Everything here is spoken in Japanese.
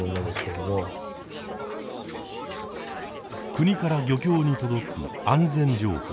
国から漁協に届く安全情報。